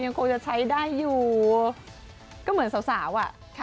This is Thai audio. ยังคงจะใช้ได้อยู่ก็เหมือนสาว